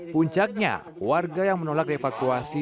puncaknya warga yang menolak dievakuasi